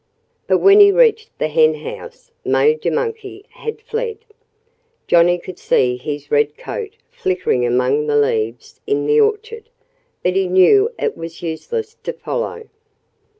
But when he reached the henhouse Major Monkey had fled. Johnnie could see his red coat flickering among the leaves in the orchard. But he knew it was useless to follow.